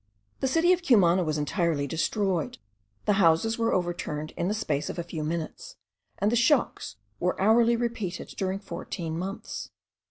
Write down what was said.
The city of Cumana was entirely destroyed, the houses were overturned in the space of a few minutes, and the shocks were hourly repeated during fourteen months.